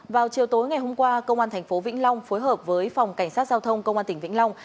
vào chiều tối ngày hôm qua công an tp vĩnh long phối hợp với phòng cảnh sát giao thông công an tỉnh vĩnh long